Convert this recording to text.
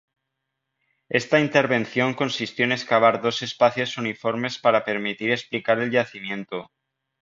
Esta intervención consistió en excavar dos espacios uniformes para permitir explicar el yacimiento.